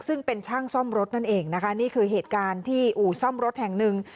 ซึ่งเป็นช่างซ่อมรถนั่นเองนะคะนี่คือเหตุการณ์ที่อู่ซ่อมรถแห่งหนึ่ง